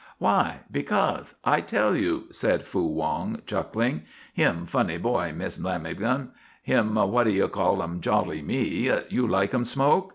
"Why? Becaus'? I tell you," said Fu Wong, chuckling. "Him funny boy, Mist' Lamagum. He, whatyoucalem, jolly me. You likem smoke?"